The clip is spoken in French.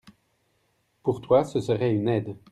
Pour toi, ce serait une aide.